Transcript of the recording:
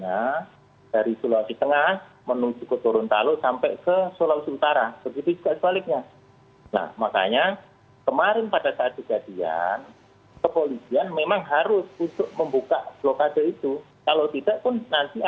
yang kita saksikan selama ini